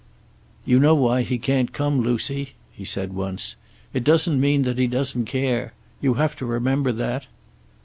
"You know why he can't come, Lucy," he said once. "It doesn't mean that he doesn't care. You have to remember that."